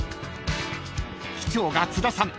［機長が津田さん